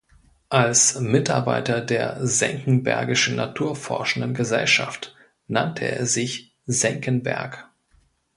Als Mitarbeiter der Senckenbergischen Naturforschenden Gesellschaft nannte er sich „Senckenberg“.